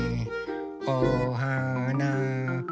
おはな。